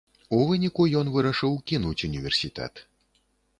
У выніку ён вырашыў кінуць універсітэт.